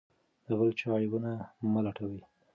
د بل چا عیبونه مه لټوه.